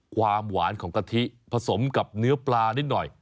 ความหวานของกะทิผสมกับเนื้อปลานิดหน่อย